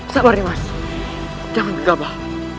sabar dimas jangan menggabah